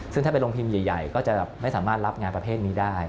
ซึ่งถ้าเป็นโรงพิมพ์ใหญ่ก็จะไม่สามารถรับงานประเภทนี้ได้